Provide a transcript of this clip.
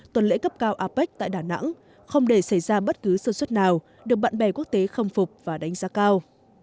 tuần lễ cấp cao apec tại đà nẵng không để xảy ra bất cứ sơ suất nào được bạn bè quốc tế khâm phục và đánh giá cao